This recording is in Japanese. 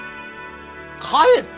帰った！？